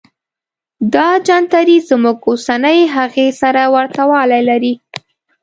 دا جنتري زموږ اوسنۍ هغې سره ورته والی لري.